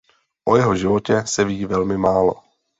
O jeho životě se ví velmi málo.